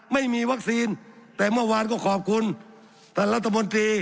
ไม่มีวัคซีนแต่เมื่อวานก็ขอบคุณท่านรัฐมนตรี